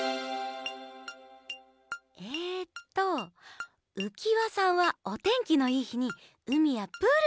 えっとうきわさんはおてんきのいいひにうみやプールにいくでしょ。